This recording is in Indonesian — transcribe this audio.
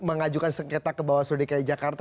mengajukan sekretar ke bawaslu di kiri jakarta